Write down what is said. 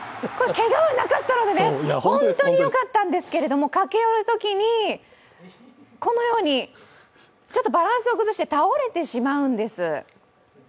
けがはなかったので、本当によかったんですけど、駆け寄るときに、このようにちょっとバランスを崩して倒れてしまうんです。